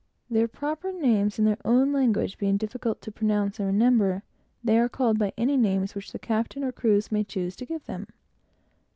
Their proper names, in their own language, being difficult to pronounce and remember, they are called by any names which the captains or crews may choose to give them.